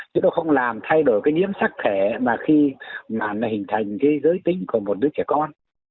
chứ nó không làm thay đổi cái nhiễm sắc thể mà khi mà nó hình thành cái giới tính của một đứa trẻ con